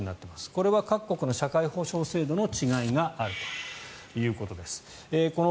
これは各国の社会保障制度の違いがあるということです。